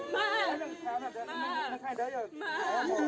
แม่แม่